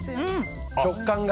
食感が。